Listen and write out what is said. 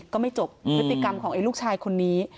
ก็ไม่จบพฤติกรรมของไอ้ลูกชายคนนี้